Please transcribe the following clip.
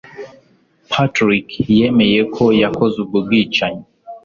patrick yemeye ko yakoze ubwo bwicanyi